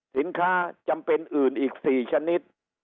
สินค้าจำเป็นอื่นอีก๔ชนิด